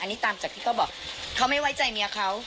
อันนี้ตามจากที่เขาบอกเขาไม่ไว้ใจเมียเขา